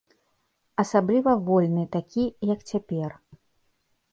Асабліва вольны, такі, як цяпер.